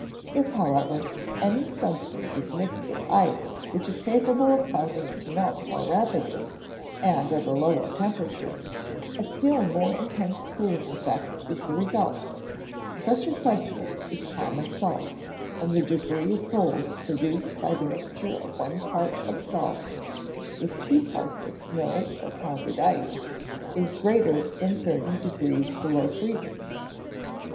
If, however, any substance is mixed with ice which is capable of causing it to melt more rapidly, and at a lower temperature, a still more intense cooling effect is the result; such a substance is common salt, and the degree of cold produced by the mixture of one part of salt with two parts of snow or pounded ice is greater than thirty degrees below freezing.